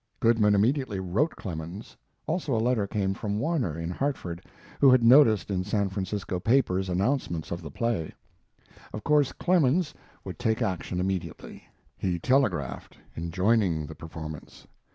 Goodman immediately wrote Clemens; also a letter came from Warner, in Hartford, who had noticed in San Francisco papers announcements of the play. Of course Clemens would take action immediately; he telegraphed, enjoining the performance.